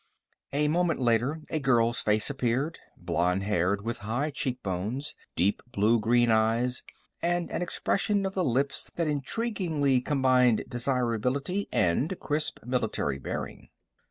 A moment later, a girl's face appeared blonde haired, with high cheekbones, deep blue green eyes, and an expression of the lips that intriguingly combined desirability and crisp military bearing.